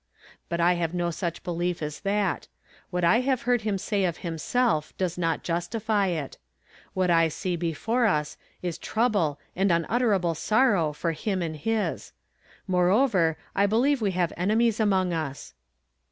But I have no such belief as that. What I have heard him say of himself does not justify it. What I see before us is trouble and unutterable sorrow for him and his. Moreover, I believe we have enemies among us."